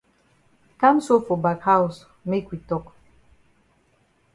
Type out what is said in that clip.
Kam so for back haus make we tok.